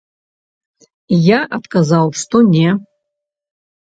Я адказаў, што не.